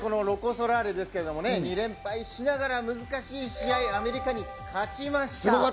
ロコ・ソラーレですけど、２連敗しながら難しい試合、アメリカに勝ちました。